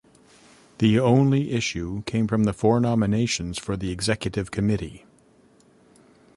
The only issue came from the four nominations for the executive committee.